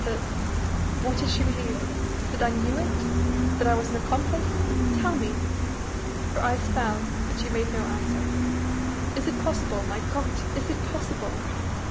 that..." "What did she believe? That I knew it? That I was an accomplice? Tell me!" Her eyes fell, and she made no answer. "Is it possible, my God, is it possible?